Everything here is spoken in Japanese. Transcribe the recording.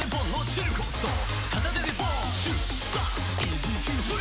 シュッ！